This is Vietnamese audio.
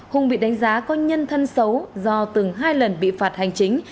hùng bị đánh giá có nhân thân xấu do từng hai lần bị phạt hành chính